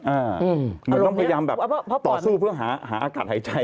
เหมือนต้องพยายามแบบต่อสู้เพื่อหาหาอากาศหายใจ